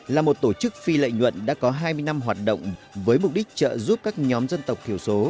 là một tổ chức phi lợi nhuận đã có hai mươi năm hoạt động với mục đích trợ giúp các nhóm dân tộc thiểu số